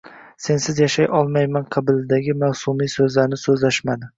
Sensiz yashay olmayman qabilidagi mavsumiy so‘zlarni so‘zlashmadi.